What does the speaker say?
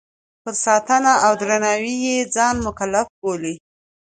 پر ساتنه او درناوي یې ځان مکلف بولي.